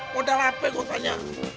model apa gua tanya